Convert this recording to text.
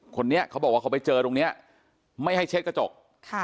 คนนี้เขาบอกว่าเขาไปเจอตรงนี้ไม่ให้เช็ดกระจก